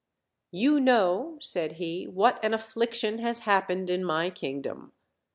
"You know," said he, "what an affliction has happened in my kingdom.